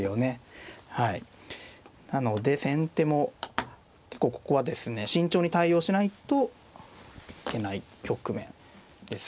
なので先手も結構ここはですね慎重に対応しないといけない局面ですね。